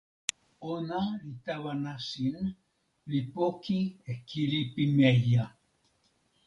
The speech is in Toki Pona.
ona li tawa nasin, li poki e kili pimeja.